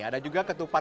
ada juga ketupat pasal